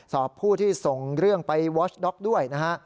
สอบผู้ที่ส่งเรื่องไปวอชด็อกด้วย